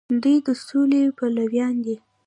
دوی د سولې پلویان دي.